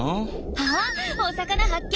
あっお魚発見。